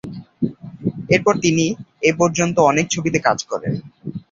এরপর তিনি এ পর্যন্ত অনেক ছবিতে কাজ করেন।